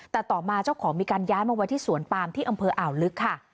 แต่ต่อมาเจ้าของมีการย้ายมาไว้ที่สวนปามที่อำเภออ่าวลึกค่ะ